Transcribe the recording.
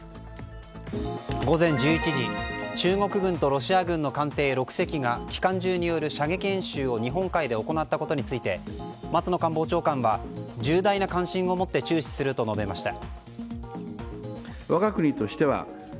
午前１１時中国軍とロシア軍の艦艇６隻が機関銃による射撃演習を日本海で行ったことについて松野官房長官は重大な関心を持って注視すると述べました。